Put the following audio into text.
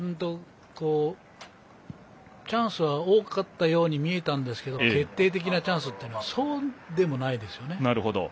チャンスは多かったように見えたんですが決定的なチャンスはそうでもないですね。